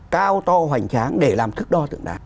cao to hoành tráng để làm thức đo tượng đài